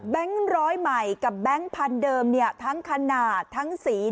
ร้อยใหม่กับแบงค์พันธุ์เดิมทั้งขนาดทั้งสี